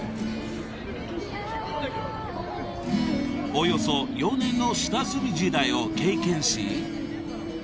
［およそ４年の下積み時代を経験し］